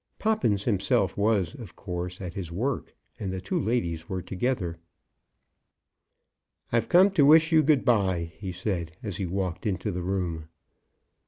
Poppins himself was, of course, at his work, and the two ladies were together. "I've come to wish you good by," he said, as he walked into the room.